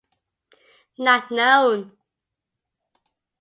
Not known